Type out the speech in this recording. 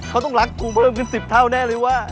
เค้าต้องรักกูกัน๑๐เท่าแน่เลยว่ะ